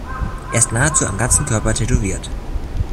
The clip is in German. Er ist nahezu am ganzen Körper tätowiert.